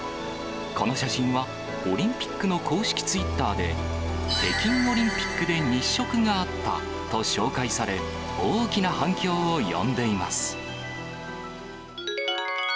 この写真は、オリンピックの公式ツイッターで、北京オリンピックで日食があったと紹介され、大きな反響を呼んでいます。